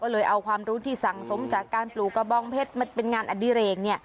เลยเอาความรู้ที่สั่งสมจากการปลูกกระบองเพชรมาเป็นงานอดิเรก